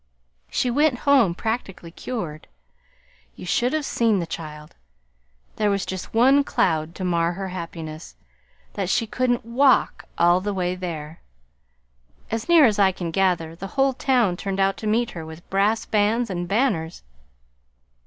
She went home practically cured. You should have seen the child! There was just one cloud to mar her happiness: that she couldn't WALK all the way there. As near as I can gather, the whole town turned out to meet her with brass bands and banners.